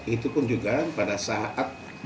itu pun juga pada saat